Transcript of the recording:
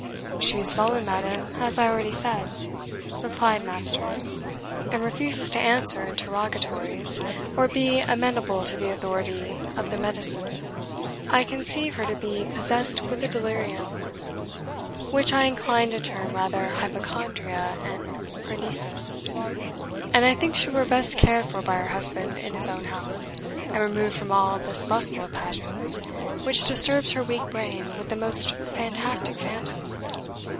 "She is sullen, madam, as I already said," replied Masters, "and refuses to answer interrogatories, or be amenable to the authority of the mediciner. I conceive her to be possessed with a delirium, which I incline to term rather HYPOCHONDRIA than PHRENESIS; and I think she were best cared for by her husband in his own house, and removed from all this bustle of pageants, which disturbs her weak brain with the most fantastic phantoms.